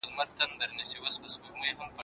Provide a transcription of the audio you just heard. سم په ښار کي وناڅم څوک خو به څه نه وايي